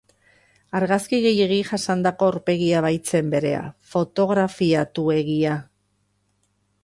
Argazki gehiegi jasandako aurpegia baitzen berea, fotografiatuegia.